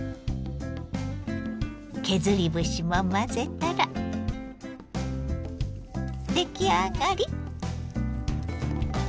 削り節も混ぜたら出来上がり。